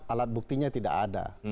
alat buktinya tidak ada